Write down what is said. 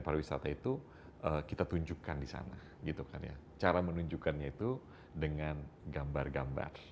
pariwisata itu kita tunjukkan di sana gitu kan ya cara menunjukkannya itu dengan gambar gambar